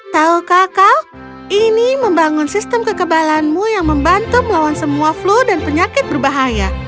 taukah kau ini membangun sistem kekebalanmu yang membantu melawan semua flu dan penyakit berbahaya